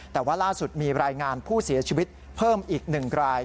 แต่ว่าล่าสุดมีรายงานผู้เสียชีวิตเพิ่มอีก๑ราย